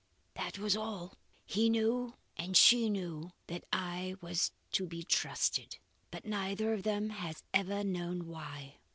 '" That was all. He knew and she knew that I was to be trusted; but neither of them has ever known why.